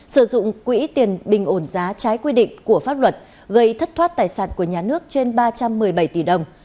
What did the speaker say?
sử dụng quỹ tiền bình ổn giá trái quy định của pháp luật gây thất thoát tài sản của nhà nước trên ba trăm một mươi bảy tỷ đồng